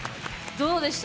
どうでした？